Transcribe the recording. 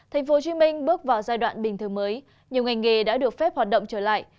thành phố hồ chí minh bước vào giai đoạn bình thường mới nhiều ngành nghề đã được phép hoạt động trở lại